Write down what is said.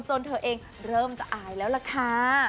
เธอเองเริ่มจะอายแล้วล่ะค่ะ